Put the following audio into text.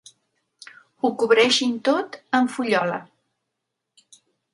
Ho cobreixin tot amb fullola.